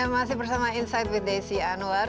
masih bersama insight with desi anwar